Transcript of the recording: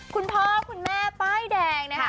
คุณพ่อคุณแม่ป้ายแดงนะคะ